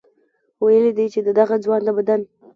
ویلي دي چې د دغه ځوان د بدن